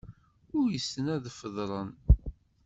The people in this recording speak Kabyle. Uysen ad feḍren.